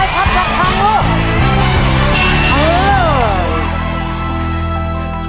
สวัสดีครับ